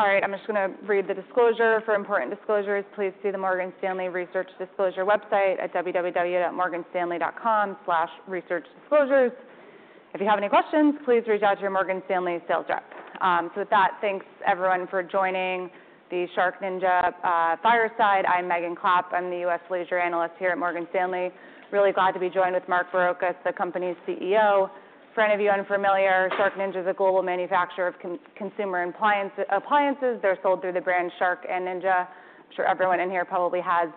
All right, I'm just going to read the disclosure. For important disclosures, please see the Morgan Stanley Research Disclosure website at www.morganstanley.com/researchdisclosures. If you have any questions, please reach out to your Morgan Stanley sales rep. So with that, thanks everyone for joining the SharkNinja Fireside. I'm Megan Clapp. I'm the U.S. leisure analyst here at Morgan Stanley. Really glad to be joined with Mark Barrocas, the company's CEO. For any of you unfamiliar, SharkNinja is a global manufacturer of consumer appliances. They're sold through the brands Shark and Ninja. I'm sure everyone in here probably has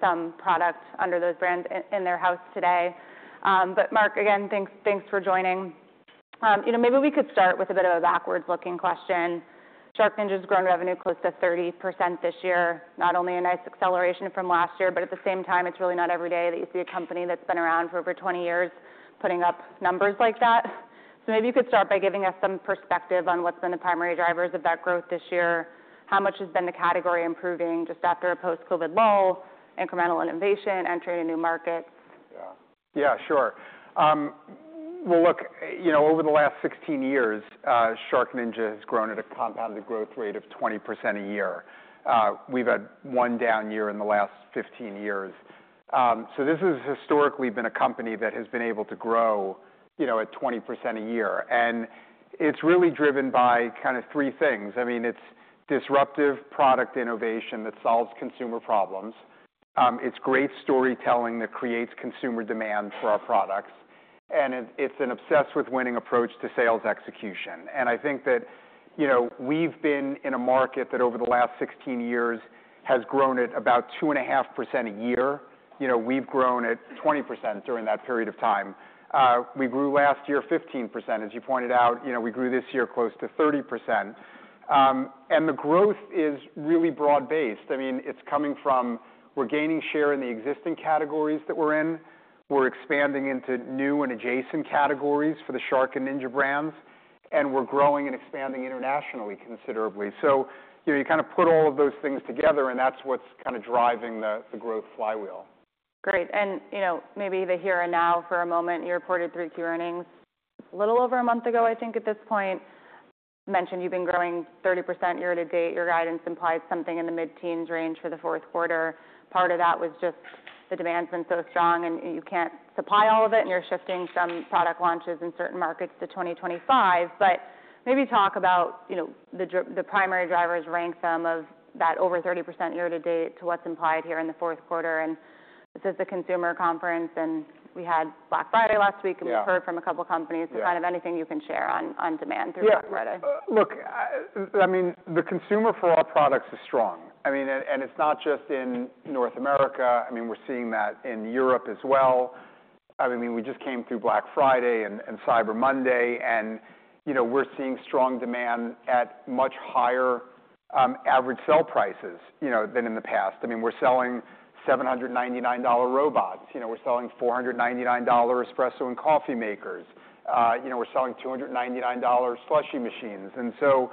some product under those brands in their house today. But Mark, again, thanks for joining. Maybe we could start with a bit of a backwards-looking question. SharkNinja has grown revenue close to 30% this year, not only a nice acceleration from last year, but at the same time, it's really not every day that you see a company that's been around for over 20 years putting up numbers like that. So maybe you could start by giving us some perspective on what's been the primary drivers of that growth this year. How much has been the category improving just after a post-COVID lull, incremental innovation, entry to new markets? Yeah, sure. Well, look, over the last 16 years, SharkNinja has grown at a compounded growth rate of 20% a year. We've had one down year in the last 15 years. So this has historically been a company that has been able to grow at 20% a year. And it's really driven by kind of three things. I mean, it's disruptive product innovation that solves consumer problems. It's great storytelling that creates consumer demand for our products. And it's an obsessed with winning approach to sales execution. And I think that we've been in a market that over the last 16 years has grown at about 2.5% a year. We've grown at 20% during that period of time. We grew last year 15%, as you pointed out. We grew this year close to 30%. And the growth is really broad-based. I mean, it's coming from we're gaining share in the existing categories that we're in. We're expanding into new and adjacent categories for the Shark and Ninja brands. And we're growing and expanding internationally considerably. So you kind of put all of those things together, and that's what's kind of driving the growth flywheel. Great, and maybe the here and now for a moment. You reported 3Q earnings a little over a month ago, I think, at this point. You mentioned you've been growing 30% year to date. Your guidance implies something in the mid-teens range for the fourth quarter. Part of that was just the demand's been so strong, and you can't supply all of it, and you're shifting some product launches in certain markets to 2025. But maybe talk about the primary drivers, rank them of that over 30% year to date to what's implied here in the fourth quarter. And this is the consumer conference, and we had Black Friday last week, and we've heard from a couple of companies. So kind of anything you can share on demand through Black Friday. Yeah. Look, I mean, the consumer for our products is strong. I mean, and it's not just in North America. I mean, we're seeing that in Europe as well. I mean, we just came through Black Friday and Cyber Monday, and we're seeing strong demand at much higher average sale prices than in the past. I mean, we're selling $799 robots. We're selling $499 espresso and coffee makers. We're selling $299 SLUSHi machines. And so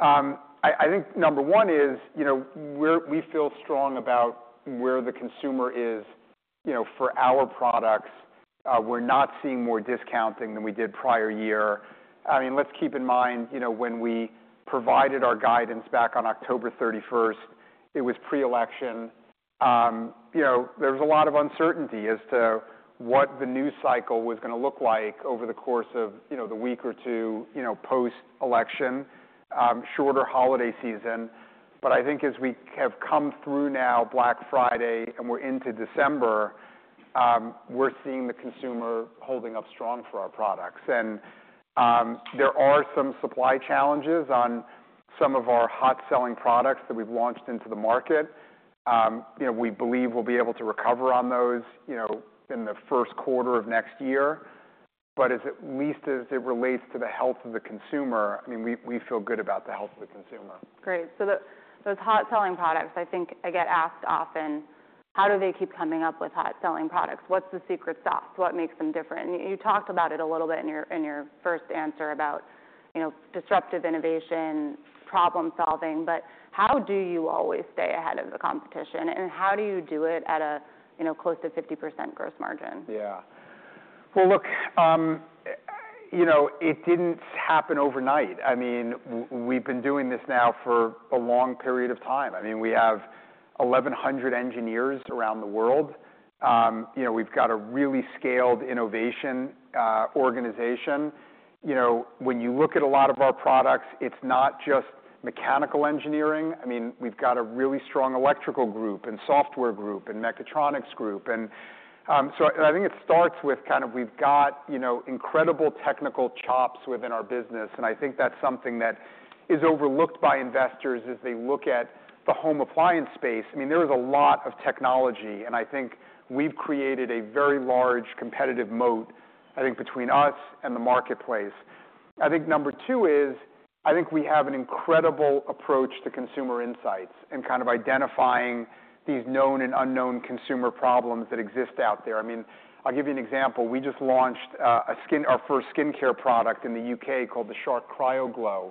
I think number one is we feel strong about where the consumer is for our products. We're not seeing more discounting than we did prior year. I mean, let's keep in mind when we provided our guidance back on October 31st. It was pre-election. There was a lot of uncertainty as to what the news cycle was going to look like over the course of the week or two post-election, shorter holiday season. But I think as we have come through now Black Friday and we're into December, we're seeing the consumer holding up strong for our products. And there are some supply challenges on some of our hot-selling products that we've launched into the market. We believe we'll be able to recover on those in the first quarter of next year. But at least as it relates to the health of the consumer, I mean, we feel good about the health of the consumer. Great. So those hot-selling products, I think I get asked often, how do they keep coming up with hot-selling products? What's the secret sauce? What makes them different? And you talked about it a little bit in your first answer about disruptive innovation, problem-solving. But how do you always stay ahead of the competition, and how do you do it at a close to 50% gross margin? Yeah. Well, look, it didn't happen overnight. I mean, we've been doing this now for a long period of time. I mean, we have 1,100 engineers around the world. We've got a really scaled innovation organization. When you look at a lot of our products, it's not just mechanical engineering. I mean, we've got a really strong electrical group and software group and mechatronics group. And so I think it starts with kind of we've got incredible technical chops within our business. And I think that's something that is overlooked by investors as they look at the home appliance space. I mean, there is a lot of technology, and I think we've created a very large competitive moat, I think, between us and the marketplace. I think number two is I think we have an incredible approach to consumer insights and kind of identifying these known and unknown consumer problems that exist out there. I mean, I'll give you an example. We just launched our first skincare product in the UK called the Shark CryoGlow.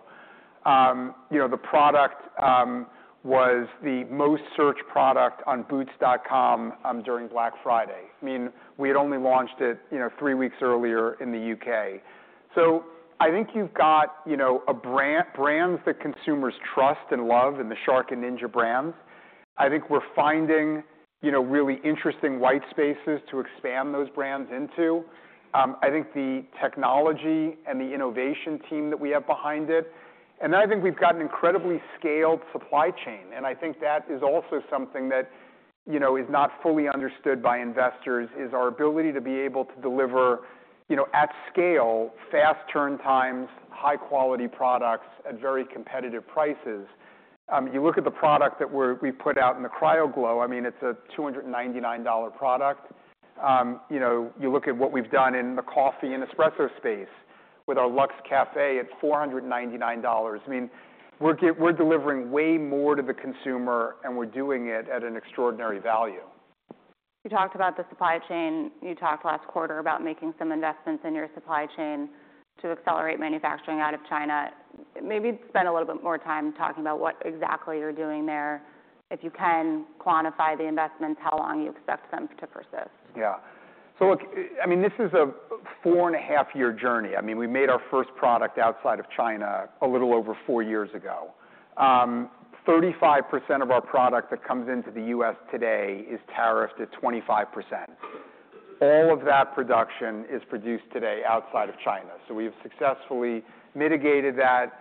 The product was the most searched product on boots.com during Black Friday. I mean, we had only launched it three weeks earlier in the UK. So I think you've got brands that consumers trust and love in the Shark and Ninja brands. I think we're finding really interesting white spaces to expand those brands into. I think the technology and the innovation team that we have behind it. And then I think we've got an incredibly scaled supply chain. And I think that is also something that is not fully understood by investors is our ability to be able to deliver at scale, fast turn times, high-quality products at very competitive prices. You look at the product that we've put out in the CryoGlow, I mean, it's a $299 product. You look at what we've done in the coffee and espresso space with our Luxe Café at $499. I mean, we're delivering way more to the consumer, and we're doing it at an extraordinary value. You talked about the supply chain. You talked last quarter about making some investments in your supply chain to accelerate manufacturing out of China. Maybe spend a little bit more time talking about what exactly you're doing there. If you can quantify the investments, how long you expect them to persist? Yeah. So look, I mean, this is a four-and-a-half-year journey. I mean, we made our first product outside of China a little over four years ago. 35% of our product that comes into the U.S. today is tariffed at 25%. All of that production is produced today outside of China. So we have successfully mitigated that,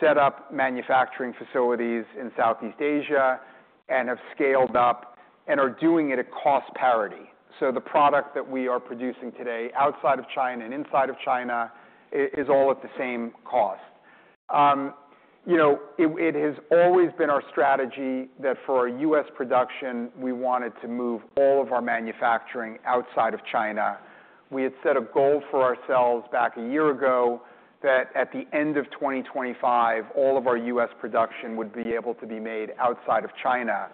set up manufacturing facilities in Southeast Asia, and have scaled up and are doing it at cost parity. So the product that we are producing today outside of China and inside of China is all at the same cost. It has always been our strategy that for our U.S. production, we wanted to move all of our manufacturing outside of China. We had set a goal for ourselves back a year ago that at the end of 2025, all of our U.S. production would be able to be made outside of China.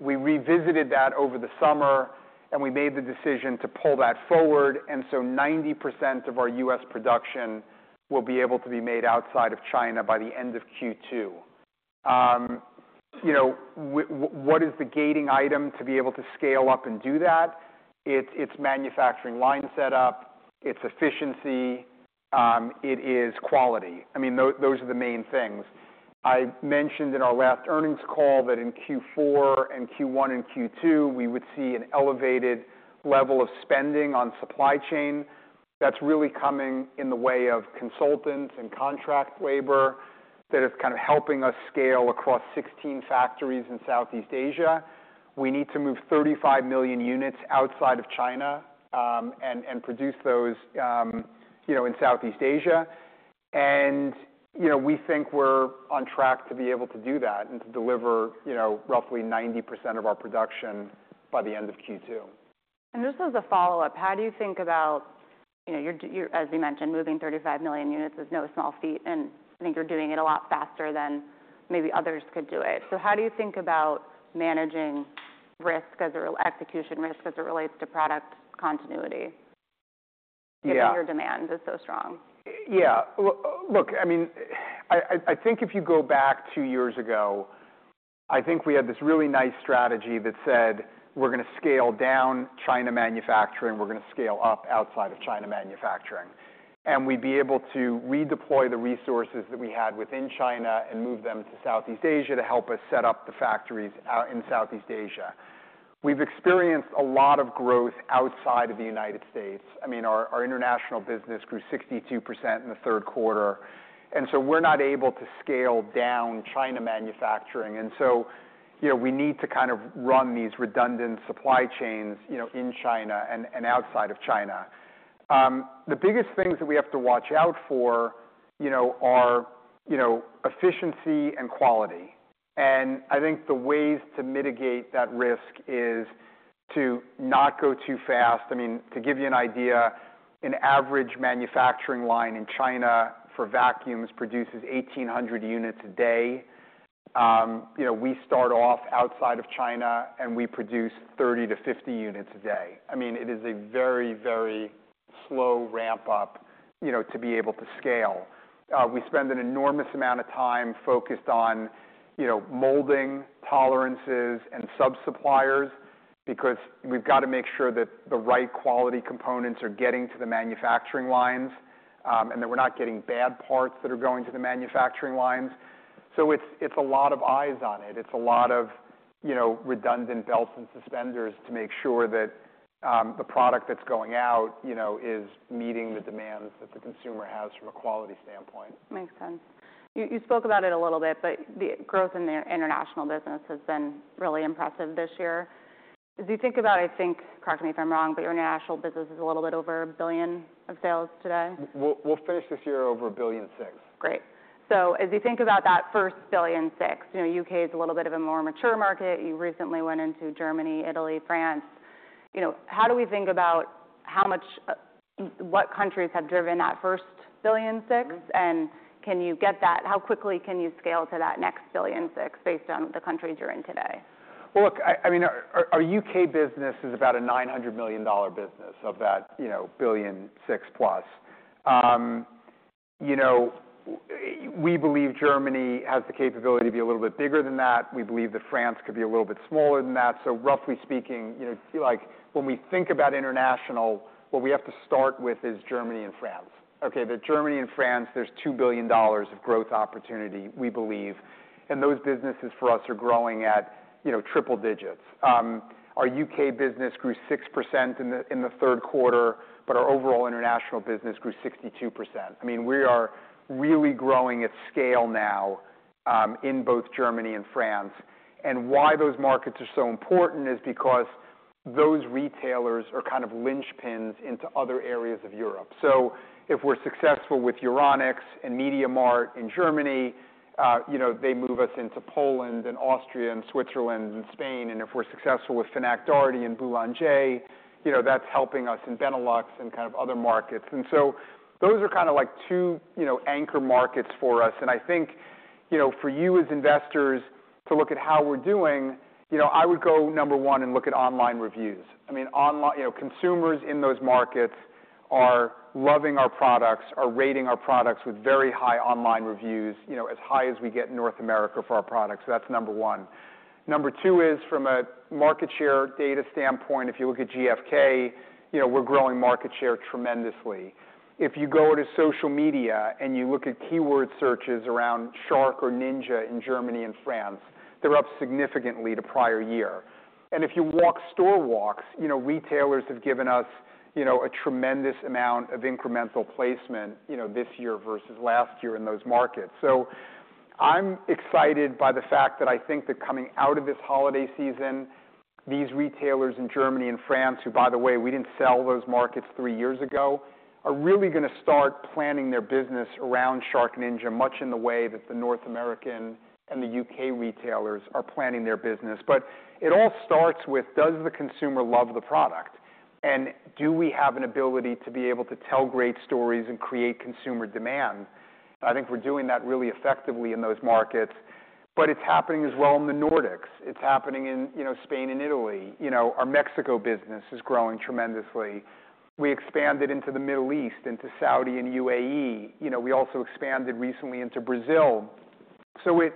We revisited that over the summer, and we made the decision to pull that forward, and so 90% of our US production will be able to be made outside of China by the end of Q2. What is the gating item to be able to scale up and do that? It's manufacturing line setup. It's efficiency. It is quality. I mean, those are the main things. I mentioned in our last earnings call that in Q4 and Q1 and Q2, we would see an elevated level of spending on supply chain. That's really coming in the way of consultants and contract labor that is kind of helping us scale across 16 factories in Southeast Asia. We need to move 35 million units outside of China and produce those in Southeast Asia. We think we're on track to be able to do that and to deliver roughly 90% of our production by the end of Q2. And just as a follow-up, how do you think about, as you mentioned, moving 35 million units? It is no small feat, and I think you're doing it a lot faster than maybe others could do it. So how do you think about managing risk as it execution risk as it relates to product continuity if your demand is so strong? Yeah. Look, I mean, I think if you go back two years ago, I think we had this really nice strategy that said, "We're going to scale down China manufacturing. We're going to scale up outside of China manufacturing." And we'd be able to redeploy the resources that we had within China and move them to Southeast Asia to help us set up the factories in Southeast Asia. We've experienced a lot of growth outside of the United States. I mean, our international business grew 62% in the third quarter. And so we're not able to scale down China manufacturing. And so we need to kind of run these redundant supply chains in China and outside of China. The biggest things that we have to watch out for are efficiency and quality. And I think the ways to mitigate that risk is to not go too fast. I mean, to give you an idea, an average manufacturing line in China for vacuums produces 1,800 units a day. We start off outside of China, and we produce 30-50 units a day. I mean, it is a very, very slow ramp-up to be able to scale. We spend an enormous amount of time focused on molding tolerances and sub-suppliers because we've got to make sure that the right quality components are getting to the manufacturing lines and that we're not getting bad parts that are going to the manufacturing lines. So it's a lot of eyes on it. It's a lot of redundant belts and suspenders to make sure that the product that's going out is meeting the demands that the consumer has from a quality standpoint. Makes sense. You spoke about it a little bit, but the growth in the international business has been really impressive this year. As you think about, I think, correct me if I'm wrong, but your international business is a little bit over a billion of sales today. We'll finish this year over $1.6 billion. Great. So as you think about that first $1.6 billion, UK is a little bit of a more mature market. You recently went into Germany, Italy, France. How do we think about what countries have driven that first $1.6 billion? And can you get that? How quickly can you scale to that next $1.6 billion based on the countries you're in today? Look, I mean, our U.K. business is about a $900 million business of that $1.6 billion plus. We believe Germany has the capability to be a little bit bigger than that. We believe that France could be a little bit smaller than that. Roughly speaking, when we think about international, what we have to start with is Germany and France. Okay, in Germany and France, there's $2 billion of growth opportunity, we believe. Those businesses for us are growing at triple digits. Our U.K. business grew 6% in the third quarter, but our overall international business grew 62%. I mean, we are really growing at scale now in both Germany and France. Those markets are so important because those retailers are kind of linchpins into other areas of Europe. If we're successful with Euronics and MediaMarkt in Germany, they move us into Poland and Austria and Switzerland and Spain. If we're successful with Fnac, Darty and Boulanger, that's helping us in Benelux and kind of other markets. Those are kind of like two anchor markets for us. I think for you as investors to look at how we're doing, I would go number one and look at online reviews. I mean, consumers in those markets are loving our products, are rating our products with very high online reviews, as high as we get in North America for our products. That's number one. Number two is from a market share data standpoint, if you look at GfK, we're growing market share tremendously. If you go to social media and you look at keyword searches around Shark or Ninja in Germany and France, they're up significantly to prior year. And if you walk store walks, retailers have given us a tremendous amount of incremental placement this year versus last year in those markets. So I'm excited by the fact that I think that coming out of this holiday season, these retailers in Germany and France, who by the way, we didn't sell those markets three years ago, are really going to start planning their business around SharkNinja much in the way that the North American and the UK retailers are planning their business. But it all starts with, does the consumer love the product? And do we have an ability to be able to tell great stories and create consumer demand? I think we're doing that really effectively in those markets. But it's happening as well in the Nordics. It's happening in Spain and Italy. Our Mexico business is growing tremendously. We expanded into the Middle East, into Saudi and UAE. We also expanded recently into Brazil. So it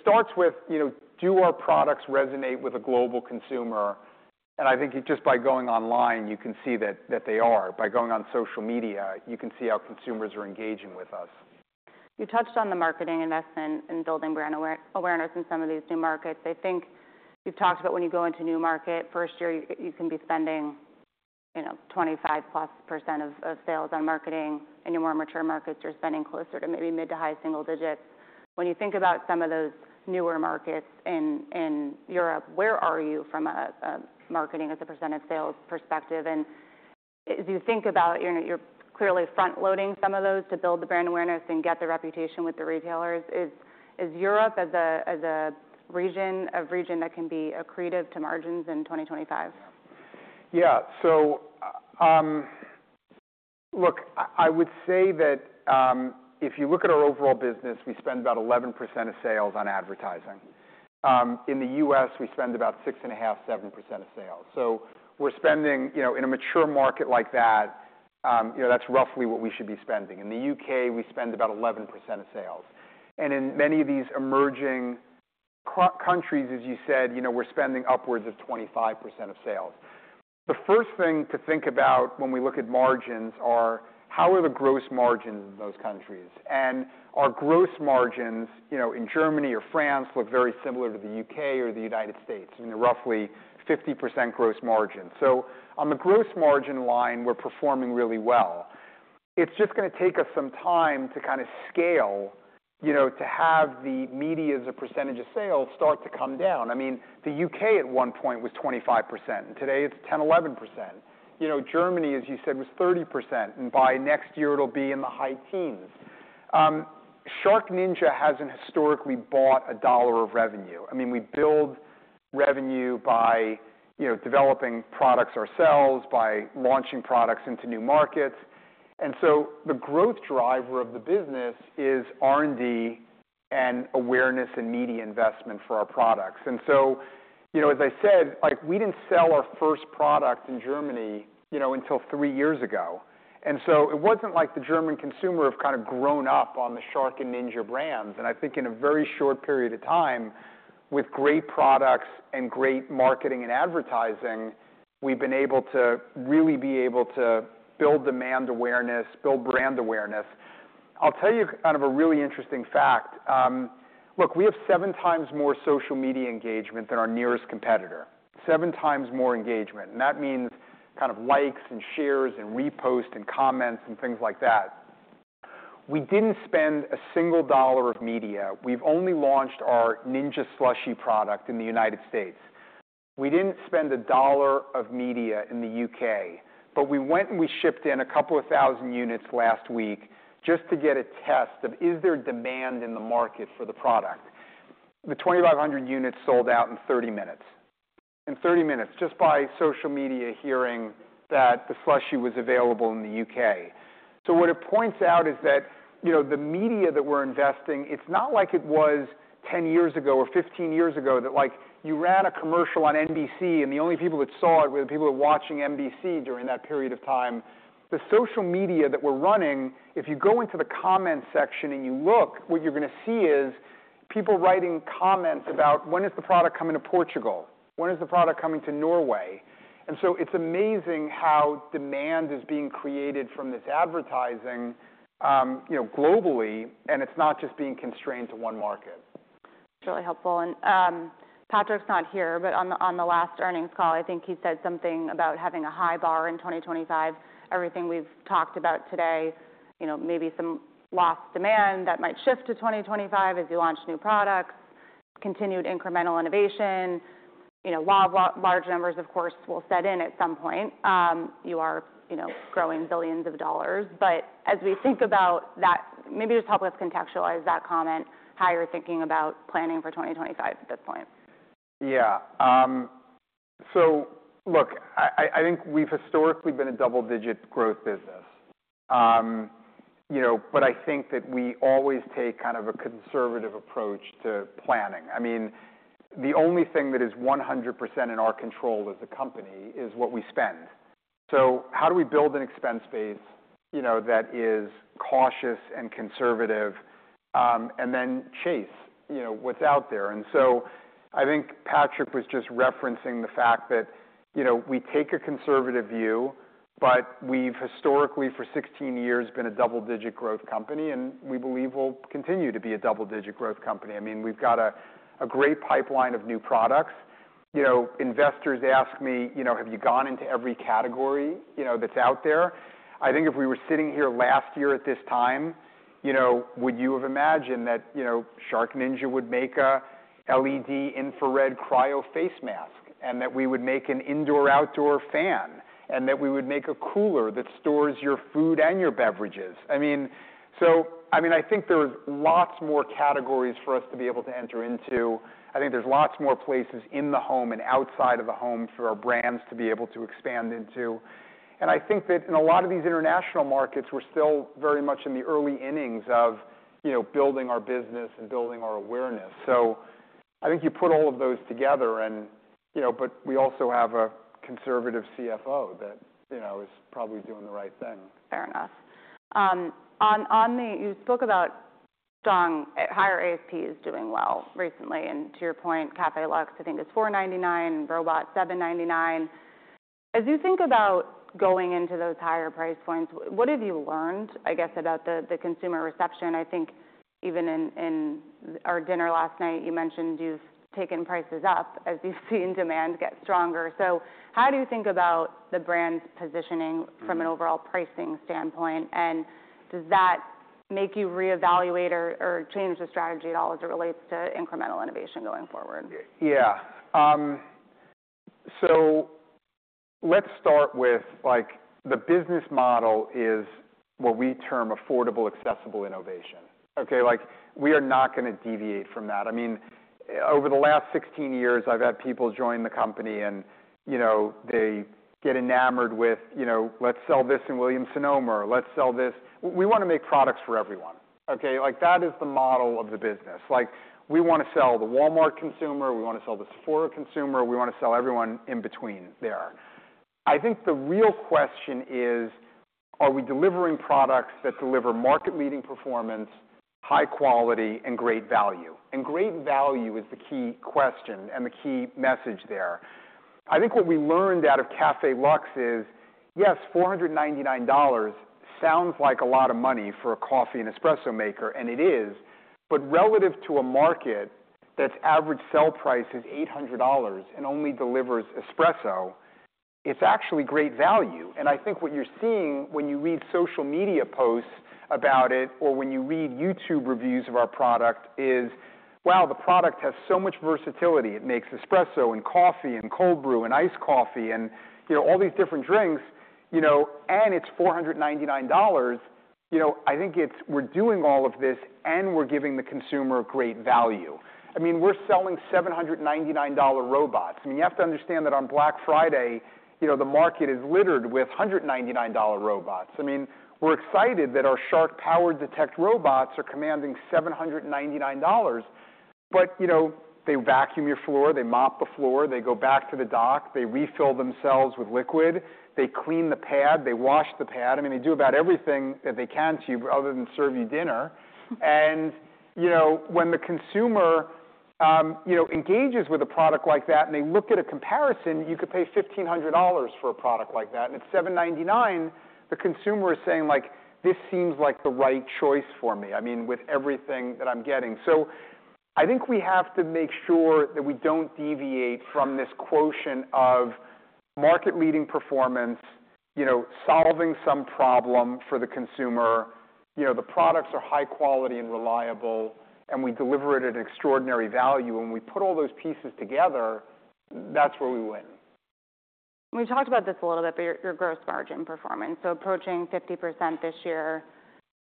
starts with, do our products resonate with a global consumer? And I think just by going online, you can see that they are. By going on social media, you can see how consumers are engaging with us. You touched on the marketing investment and building brand awareness in some of these new markets. I think you've talked about when you go into a new market, first year, you can be spending 25% plus of sales on marketing. In your more mature markets, you're spending closer to maybe mid to high single digits. When you think about some of those newer markets in Europe, where are you from a marketing as a % of sales perspective? And as you think about, you're clearly front-loading some of those to build the brand awareness and get the reputation with the retailers. Is Europe as a region a region that can be accretive to margins in 2025? Yeah. So look, I would say that if you look at our overall business, we spend about 11% of sales on advertising. In the U.S., we spend about 6.5%, 7% of sales. So we're spending in a mature market like that, that's roughly what we should be spending. In the U.K., we spend about 11% of sales. And in many of these emerging countries, as you said, we're spending upwards of 25% of sales. The first thing to think about when we look at margins are how are the gross margins in those countries? And our gross margins in Germany or France look very similar to the U.K. or the United States. I mean, they're roughly 50% gross margin. So on the gross margin line, we're performing really well. It's just going to take us some time to kind of scale to have the media's percentage of sales start to come down. I mean, the UK at one point was 25%. Today, it's 10-11%. Germany, as you said, was 30%. And by next year, it'll be in the high teens. SharkNinja hasn't historically bought a dollar of revenue. I mean, we build revenue by developing products ourselves, by launching products into new markets. And so the growth driver of the business is R&D and awareness and media investment for our products. And so, as I said, we didn't sell our first product in Germany until three years ago. And so it wasn't like the German consumer have kind of grown up on the Shark and Ninja brands. I think in a very short period of time, with great products and great marketing and advertising, we've been able to really be able to build demand awareness, build brand awareness. I'll tell you kind of a really interesting fact. Look, we have seven times more social media engagement than our nearest competitor, seven times more engagement. And that means kind of likes and shares and reposts and comments and things like that. We didn't spend a single dollar of media. We've only launched our Ninja SLUSHi product in the United States. We didn't spend a dollar of media in the UK. But we went and we shipped in a couple of thousand units last week just to get a test of is there demand in the market for the product. The 2,500 units sold out in 30 minutes. In 30 minutes, just by social media hearing that the Slushie was available in the UK. So what it points out is that the media that we're investing, it's not like it was 10 years ago or 15 years ago that you ran a commercial on NBC, and the only people that saw it were the people who were watching NBC during that period of time. The social media that we're running, if you go into the comment section and you look, what you're going to see is people writing comments about when is the product coming to Portugal? When is the product coming to Norway? And so it's amazing how demand is being created from this advertising globally, and it's not just being constrained to one market. That's really helpful, and Patraic not here, but on the last earnings call, I think he said something about having a high bar in 2025. Everything we've talked about today, maybe some lost demand that might shift to 2025 as you launch new products, continued incremental innovation. Large numbers, of course, will set in at some point. You are growing billions of dollars, but as we think about that, maybe just help us contextualize that comment, how you're thinking about planning for 2025 at this point. Yeah. So look, I think we've historically been a double-digit growth business. But I think that we always take kind of a conservative approach to planning. I mean, the only thing that is 100% in our control as a company is what we spend. So how do we build an expense base that is cautious and conservative and then chase what's out there? And so I think Patraic was just referencing the fact that we take a conservative view, but we've historically, for 16 years, been a double-digit growth company, and we believe we'll continue to be a double-digit growth company. I mean, we've got a great pipeline of new products. Investors ask me, have you gone into every category that's out there? I think if we were sitting here last year at this time, would you have imagined that SharkNinja would make an LED infrared cryo face mask and that we would make an indoor-outdoor fan and that we would make a cooler that stores your food and your beverages? I mean, so I mean, I think there's lots more categories for us to be able to enter into. I think there's lots more places in the home and outside of the home for our brands to be able to expand into. I think that in a lot of these international markets, we're still very much in the early innings of building our business and building our awareness. So I think you put all of those together, but we also have a conservative CFO that is probably doing the right thing. Fair enough. You spoke about higher ASPs doing well recently. And to your point, Café Luxe, I think, is $499, robot $799. As you think about going into those higher price points, what have you learned, I guess, about the consumer reception? I think even in our dinner last night, you mentioned you've taken prices up as you've seen demand get stronger. So how do you think about the brand's positioning from an overall pricing standpoint? And does that make you reevaluate or change the strategy at all as it relates to incremental innovation going forward? Yeah. So let's start with the business model is what we term affordable accessible innovation. Okay, we are not going to deviate from that. I mean, over the last 16 years, I've had people join the company, and they get enamored with, let's sell this in Williams-Sonoma. Let's sell this. We want to make products for everyone. Okay, that is the model of the business. We want to sell the Walmart consumer. We want to sell the Sephora consumer. We want to sell everyone in between there. I think the real question is, are we delivering products that deliver market-leading performance, high quality, and great value? And great value is the key question and the key message there. I think what we learned out of Ninja Luxe Café is, yes, $499 sounds like a lot of money for a coffee and espresso maker, and it is, but relative to a market that's average sell price is $800 and only delivers espresso, it's actually great value. And I think what you're seeing when you read social media posts about it or when you read YouTube reviews of our product is, wow, the product has so much versatility. It makes espresso and coffee and cold brew and iced coffee and all these different drinks. And it's $499. I think we're doing all of this, and we're giving the consumer great value. I mean, we're selling $799 robots. I mean, you have to understand that on Black Friday, the market is littered with $199 robots. I mean, we're excited that our Shark PowerDetect robots are commanding $799, but they vacuum your floor, they mop the floor, they go back to the dock, they refill themselves with liquid, they clean the pad, they wash the pad. I mean, they do about everything that they can to you other than serve you dinner, and when the consumer engages with a product like that and they look at a comparison, you could pay $1,500 for a product like that, and at $799, the consumer is saying, this seems like the right choice for me, I mean, with everything that I'm getting, so I think we have to make sure that we don't deviate from this quotient of market-leading performance, solving some problem for the consumer. The products are high quality and reliable, and we deliver it at extraordinary value. When we put all those pieces together, that's where we win. We've talked about this a little bit, but your gross margin performance. So, approaching 50% this year,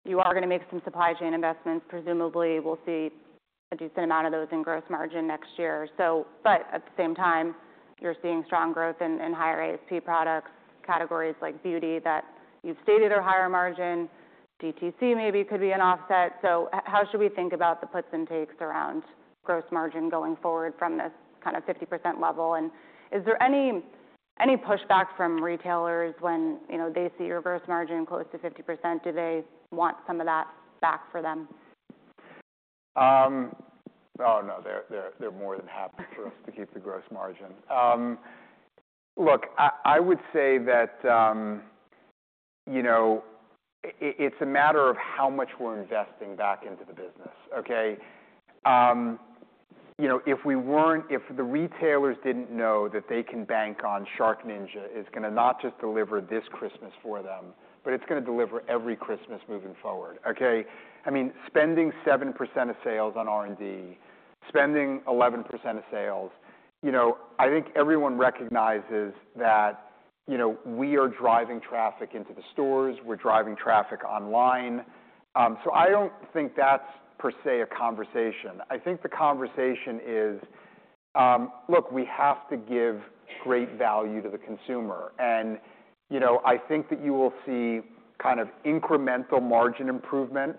you are going to make some supply chain investments. Presumably, we'll see a decent amount of those in gross margin next year. But at the same time, you're seeing strong growth in higher ASP products, categories like beauty that you've stated are higher margin. DTC maybe could be an offset. So, how should we think about the puts and takes around gross margin going forward from this kind of 50% level? And is there any pushback from retailers when they see your gross margin close to 50%? Do they want some of that back for them? Oh, no, they're more than happy for us to keep the gross margin. Look, I would say that it's a matter of how much we're investing back into the business. Okay, if the retailers didn't know that they can bank on SharkNinja is going to not just deliver this Christmas for them, but it's going to deliver every Christmas moving forward. Okay, I mean, spending 7% of sales on R&D, spending 11% of sales, I think everyone recognizes that we are driving traffic into the stores. We're driving traffic online. So I don't think that's per se a conversation. I think the conversation is, look, we have to give great value to the consumer. And I think that you will see kind of incremental margin improvement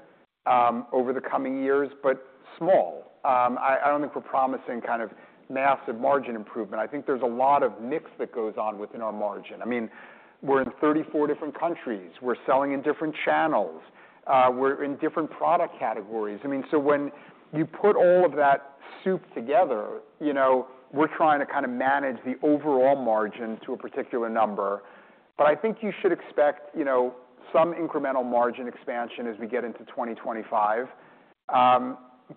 over the coming years, but small. I don't think we're promising kind of massive margin improvement. I think there's a lot of mix that goes on within our margin. I mean, we're in 34 different countries. We're selling in different channels. We're in different product categories. I mean, so when you put all of that soup together, we're trying to kind of manage the overall margin to a particular number. But I think you should expect some incremental margin expansion as we get into 2025,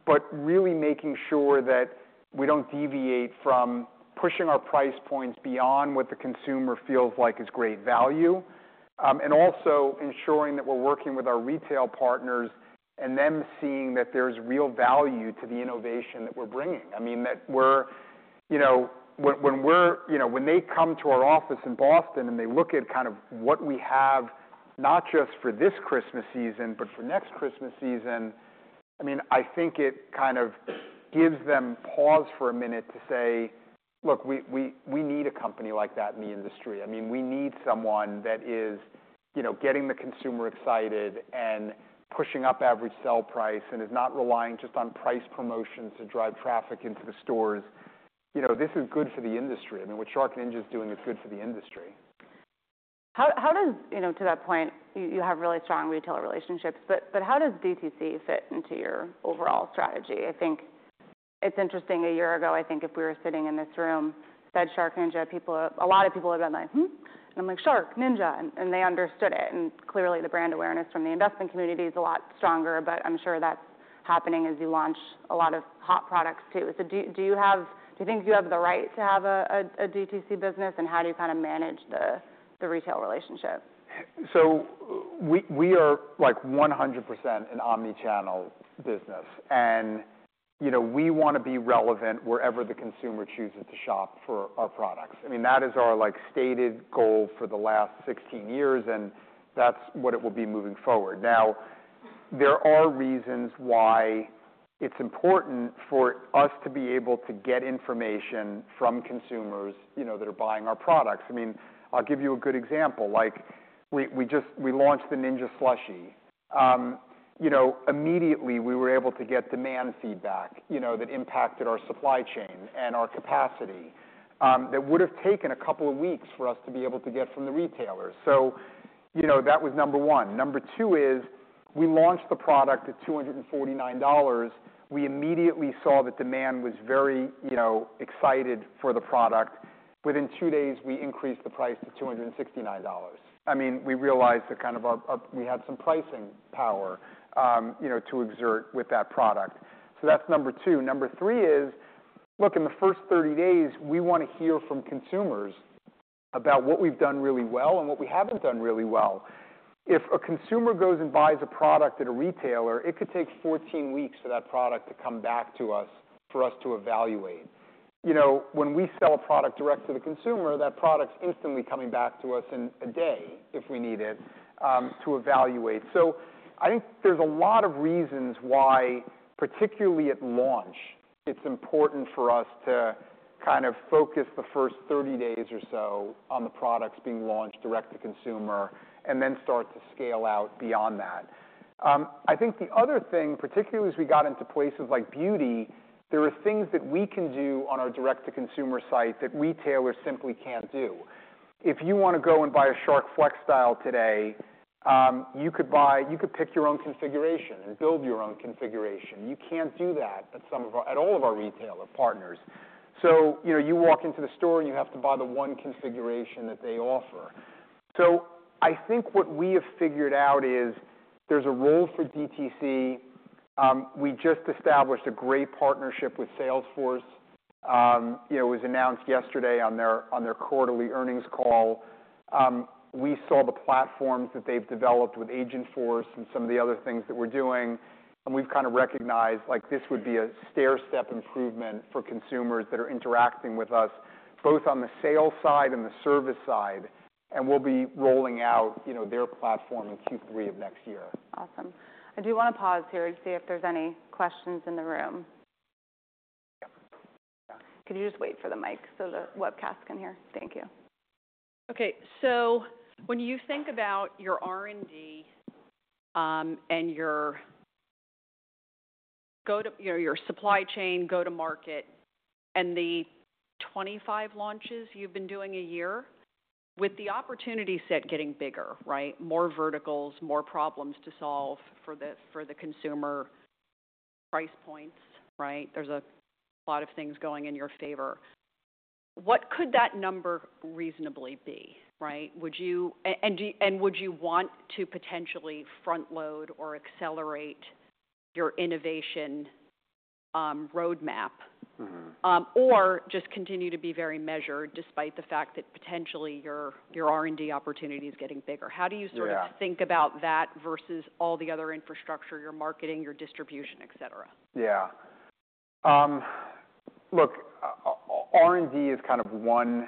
but really making sure that we don't deviate from pushing our price points beyond what the consumer feels like is great value, and also ensuring that we're working with our retail partners and them seeing that there's real value to the innovation that we're bringing. I mean, when they come to our office in Boston and they look at kind of what we have, not just for this Christmas season, but for next Christmas season, I mean, I think it kind of gives them pause for a minute to say, look, we need a company like that in the industry. I mean, we need someone that is getting the consumer excited and pushing up average sell price and is not relying just on price promotions to drive traffic into the stores. This is good for the industry. I mean, what SharkNinja is doing is good for the industry. To that point, you have really strong retailer relationships, but how does DTC fit into your overall strategy? I think it's interesting. A year ago, I think if we were sitting in this room, said SharkNinja, a lot of people have been like, "And I'm like, SharkNinja," and they understood it and clearly, the brand awareness from the investment community is a lot stronger, but I'm sure that's happening as you launch a lot of hot products too, so do you think you have the right to have a DTC business, and how do you kind of manage the retail relationship? We are 100% an omnichannel business, and we want to be relevant wherever the consumer chooses to shop for our products. I mean, that is our stated goal for the last 16 years, and that's what it will be moving forward. Now, there are reasons why it's important for us to be able to get information from consumers that are buying our products. I mean, I'll give you a good example. We launched the Ninja SLUSHi. Immediately, we were able to get demand feedback that impacted our supply chain and our capacity that would have taken a couple of weeks for us to be able to get from the retailers. That was number one. Number two is we launched the product at $249. We immediately saw that demand was very excited for the product. Within two days, we increased the price to $269. I mean, we realized that kind of we had some pricing power to exert with that product. So that's number two. Number three is, look, in the first 30 days, we want to hear from consumers about what we've done really well and what we haven't done really well. If a consumer goes and buys a product at a retailer, it could take 14 weeks for that product to come back to us for us to evaluate. When we sell a product direct to the consumer, that product's instantly coming back to us in a day if we need it to evaluate. So I think there's a lot of reasons why, particularly at launch, it's important for us to kind of focus the first 30 days or so on the products being launched direct to consumer and then start to scale out beyond that. I think the other thing, particularly as we got into places like beauty, there are things that we can do on our direct-to-consumer site that retailers simply can't do. If you want to go and buy a Shark FlexStyle today, you could pick your own configuration and build your own configuration. You can't do that at all of our retailer partners. So I think what we have figured out is there's a role for DTC. We just established a great partnership with Salesforce. It was announced yesterday on their quarterly earnings call. We saw the platforms that they've developed with Agentforce and some of the other things that we're doing. We've kind of recognized this would be a stairstep improvement for consumers that are interacting with us, both on the sales side and the service side. We'll be rolling out their platform in Q3 of next year. Awesome. I do want to pause here and see if there's any questions in the room. Could you just wait for the mic so the webcast can hear? Thank you. Okay. So when you think about your R&D and your supply chain, go-to-market, and the 25 launches you've been doing a year, with the opportunity set getting bigger, right, more verticals, more problems to solve for the consumer price points, right, there's a lot of things going in your favor. What could that number reasonably be? And would you want to potentially front-load or accelerate your innovation roadmap or just continue to be very measured despite the fact that potentially your R&D opportunity is getting bigger? How do you sort of think about that versus all the other infrastructure, your marketing, your distribution, etc.? Yeah. Look, R&D is kind of one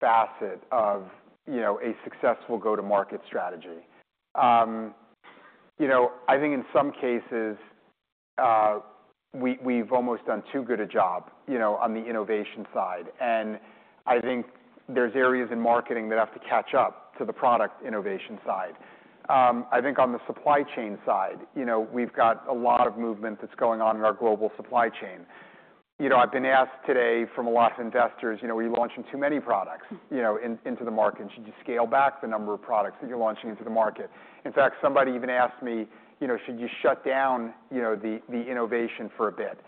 facet of a successful go-to-market strategy. I think in some cases, we've almost done too good a job on the innovation side, and I think there's areas in marketing that have to catch up to the product innovation side. I think on the supply chain side, we've got a lot of movement that's going on in our global supply chain. I've been asked today from a lot of investors, we're launching too many products into the market. Should you scale back the number of products that you're launching into the market? In fact, somebody even asked me, should you shut down the innovation for a bit?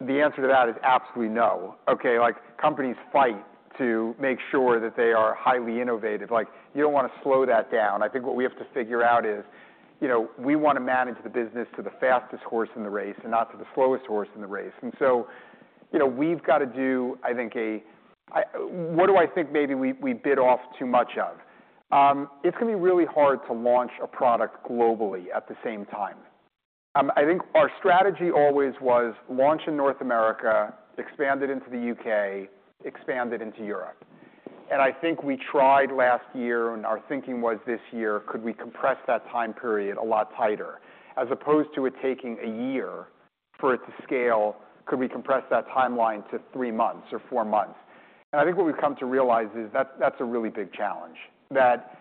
The answer to that is absolutely no. Okay, companies fight to make sure that they are highly innovative. You don't want to slow that down. I think what we have to figure out is we want to manage the business to the fastest horse in the race and not to the slowest horse in the race. And so we've got to do, I think, what do I think maybe we bit off too much of? It's going to be really hard to launch a product globally at the same time. I think our strategy always was launch in North America, expand it into the U.K., expand it into Europe. And I think we tried last year, and our thinking was this year, could we compress that time period a lot tighter as opposed to it taking a year for it to scale? Could we compress that timeline to three months or four months? I think what we've come to realize is that's a really big challenge, that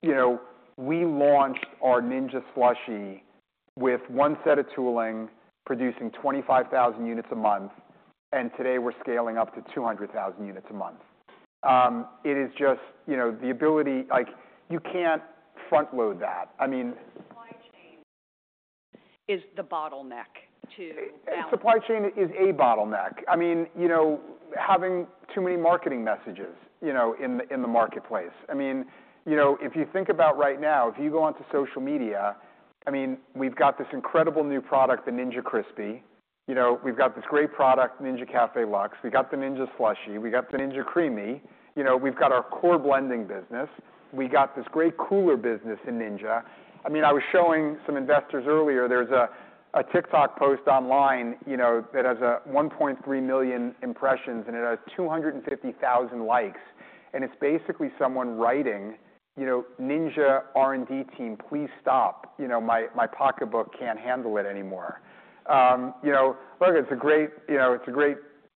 we launched our Ninja SLUSHi with one set of tooling producing 25,000 units a month, and today we're scaling up to 200,000 units a month. It is just the ability you can't front-load that. I mean. Supply chain is the bottleneck to. Supply chain is a bottleneck. I mean, having too many marketing messages in the marketplace. I mean, if you think about right now, if you go onto social media, I mean, we've got this incredible new product, the Ninja Crispi. We've got this great product, Ninja Luxe Café. We've got the Ninja SLUSHi. We've got the Ninja CREAMi. We've got our core blending business. We've got this great cooler business in Ninja. I mean, I was showing some investors earlier. There's a TikTok post online that has 1.3 million impressions, and it has 250,000 likes. It's basically someone writing, "Ninja R&D team, please stop. My pocketbook can't handle it anymore." Look, it's a great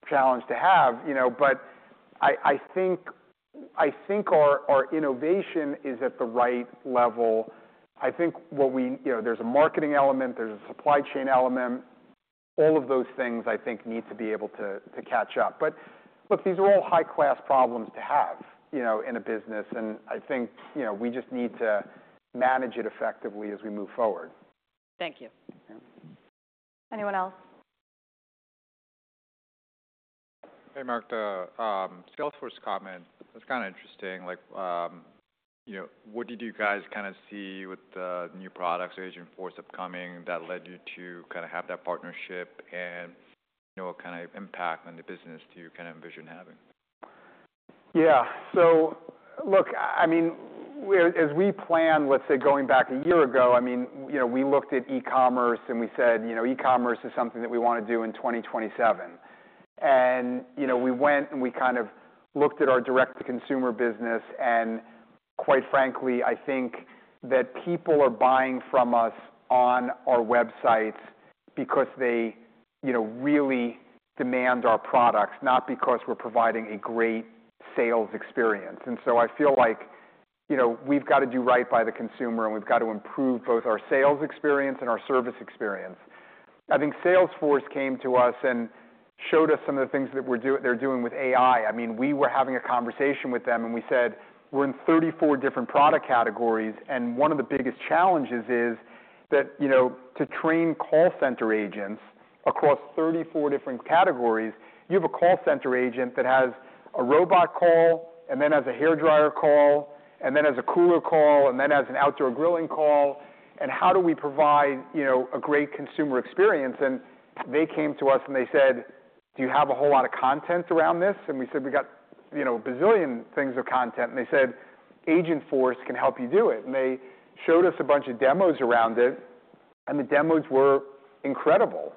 challenge to have, but I think our innovation is at the right level. I think there's a marketing element. There's a supply chain element. All of those things, I think, need to be able to catch up. But look, these are all high-class problems to have in a business, and I think we just need to manage it effectively as we move forward. Thank you. Anyone else? Hey, Mark. Salesforce comment. That's kind of interesting. What did you guys kind of see with the new products, Agentforce upcoming, that led you to kind of have that partnership and what kind of impact on the business do you kind of envision having? Yeah. So look, I mean, as we planned, let's say going back a year ago, I mean, we looked at e-commerce, and we said e-commerce is something that we want to do in 2027. And we went, and we kind of looked at our direct-to-consumer business. And quite frankly, I think that people are buying from us on our websites because they really demand our products, not because we're providing a great sales experience. And so I feel like we've got to do right by the consumer, and we've got to improve both our sales experience and our service experience. I think Salesforce came to us and showed us some of the things that they're doing with AI. I mean, we were having a conversation with them, and we said we're in 34 different product categories. One of the biggest challenges is that to train call center agents across 34 different categories, you have a call center agent that has a robot call, and then has a hairdryer call, and then has a cooler call, and then has an outdoor grilling call. How do we provide a great consumer experience? They came to us, and they said, "Do you have a whole lot of content around this?" We said, "We've got a bazillion things of content." They said, "Agentforce can help you do it." They showed us a bunch of demos around it, and the demos were incredible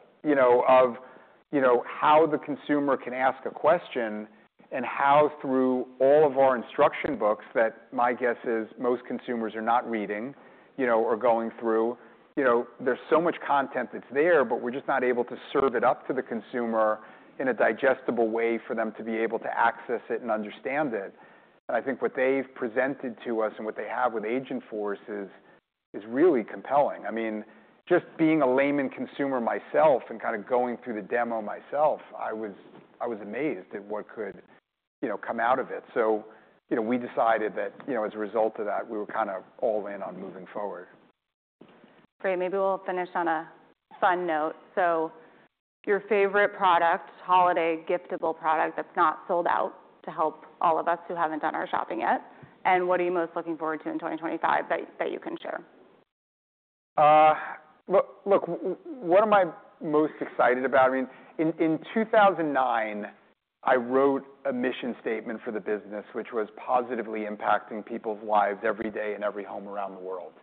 of how the consumer can ask a question and how through all of our instruction books that my guess is most consumers are not reading or going through. There's so much content that's there, but we're just not able to serve it up to the consumer in a digestible way for them to be able to access it and understand it, and I think what they've presented to us and what they have with Agentforce is really compelling. I mean, just being a layman consumer myself and kind of going through the demo myself, I was amazed at what could come out of it, so we decided that as a result of that, we were kind of all in on moving forward. Great. Maybe we'll finish on a fun note. So your favorite product, holiday giftable product that's not sold out to help all of us who haven't done our shopping yet? And what are you most looking forward to in 2025 that you can share? Look, what am I most excited about? I mean, in 2009, I wrote a mission statement for the business, which was positively impacting people's lives every day in every home around the world.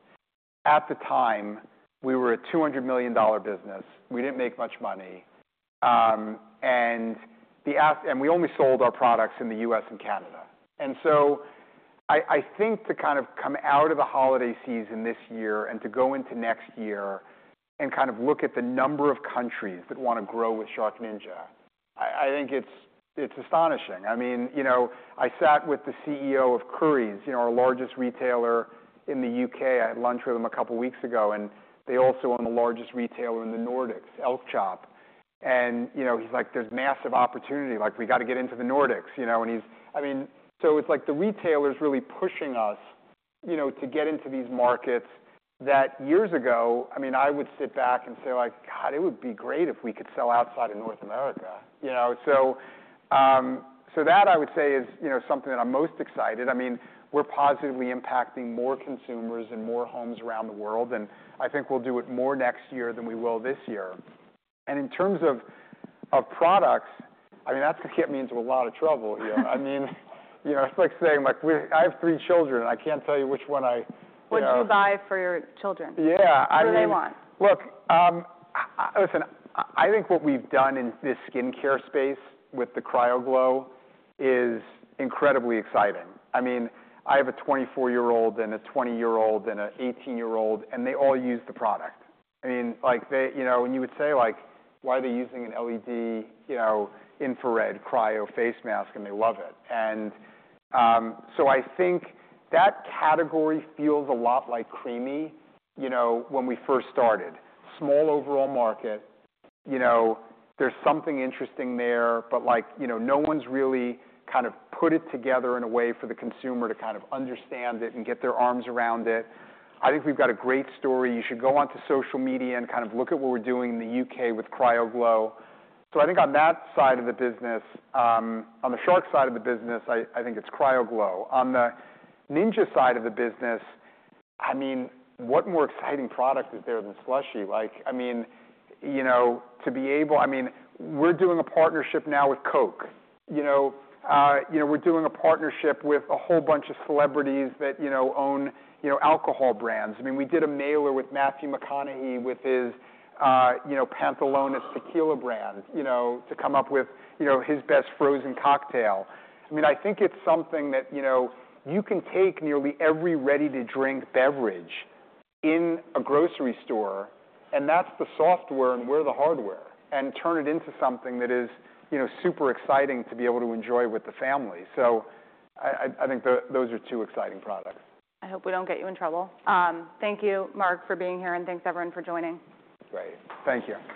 At the time, we were a $200 million business. We didn't make much money, and we only sold our products in the U.S. and Canada, and so I think to kind of come out of the holiday season this year and to go into next year and kind of look at the number of countries that want to grow with SharkNinja. I think it's astonishing. I mean, I sat with the CEO of Currys, our largest retailer in the U.K. I had lunch with them a couple of weeks ago, and they also own the largest retailer in the Nordics, Elkjøp, and he's like, "There's massive opportunity. We got to get into the Nordics," and I mean, so it's like the retailer's really pushing us to get into these markets that years ago, I mean, I would sit back and say, "God, it would be great if we could sell outside of North America." So that, I would say, is something that I'm most excited. I mean, we're positively impacting more consumers and more homes around the world, and I think we'll do it more next year than we will this year, and in terms of products, I mean, that's going to get me into a lot of trouble here. I mean, it's like saying I have three children. I can't tell you which one I-. What do you buy for your children? Yeah. I mean. What do they want? Look, listen. I think what we've done in this skincare space with the CryoGlow is incredibly exciting. I mean, I have a 24-year-old and a 20-year-old and an 18-year-old, and they all use the product. I mean, and you would say, "Why are they using an LED infrared cryo face mask?" And they love it. And so I think that category feels a lot like CREAMi when we first started. Small overall market. There's something interesting there, but no one's really kind of put it together in a way for the consumer to kind of understand it and get their arms around it. I think we've got a great story. You should go onto social media and kind of look at what we're doing in the UK with CryoGlow. So I think on that side of the business, on the Shark side of the business, I think it's CryoGlow. On the Ninja side of the business, I mean, what more exciting product is there than Slushie? I mean, to be able, I mean, we're doing a partnership now with Coke. We're doing a partnership with a whole bunch of celebrities that own alcohol brands. I mean, we did a mailer with Matthew McConaughey with his Pantalones Organic Tequila brand to come up with his best frozen cocktail. I mean, I think it's something that you can take nearly every ready-to-drink beverage in a grocery store, and that's the software and we're the hardware, and turn it into something that is super exciting to be able to enjoy with the family, so I think those are two exciting products. I hope we don't get you in trouble. Thank you, Mark, for being here, and thanks, everyone, for joining. Great. Thank you.